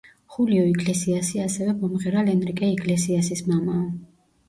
ხულიო იგლესიასი ასევე მომღერალ ენრიკე იგლესიასის მამაა.